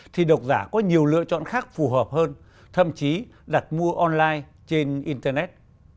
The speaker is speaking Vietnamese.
thì độc giả có nhiều lựa chọn khác phù hợp hơn thậm chí đặt mua online trên internet